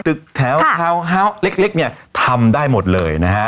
ตึกแท้วคาวเริ่มเนี่ยทำได้หมดเลยนะฮะ